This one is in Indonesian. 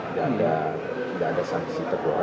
nggak ada saksi terkutuk